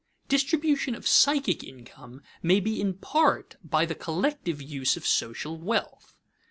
_Distribution of psychic income may be in part by the collective use of social wealth.